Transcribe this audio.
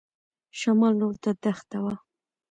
شمال لور ته دښته وه.